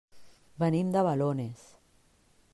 Venim de Balones.